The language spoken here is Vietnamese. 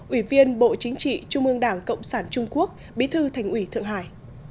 ủy viên bộ chính trị trung ương đảng cộng sản trung quốc bí thư thành ủy thượng hải